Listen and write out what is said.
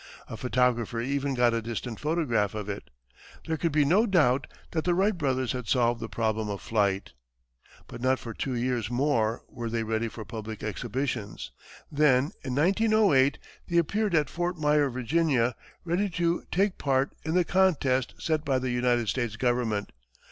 A photographer even got a distant photograph of it. There could be no doubt that the Wright brothers had solved the problem of flight. But not for two years more were they ready for public exhibitions. Then, in 1908, they appeared at Fort Myer, Virginia, ready to take part in the contest set by the United States government.